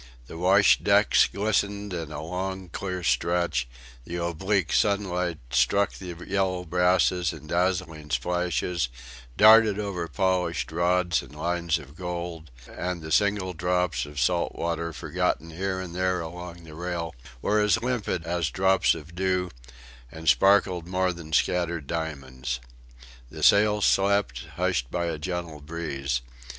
The washed decks glistened in a long clear stretch; the oblique sunlight struck the yellow brasses in dazzling splashes, darted over the polished rods in lines of gold, and the single drops of salt water forgotten here and there along the rail were as limpid as drops of dew, and sparkled more than scattered diamonds. The sails slept, hushed by a gentle breeze.